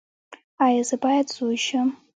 ایا زه باید زوی شم؟